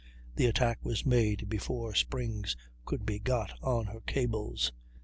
The attack was made before springs could be got on her cables.